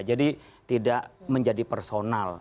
jadi tidak menjadi personal